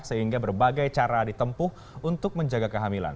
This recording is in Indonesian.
sehingga berbagai cara ditempuh untuk menjaga kehamilan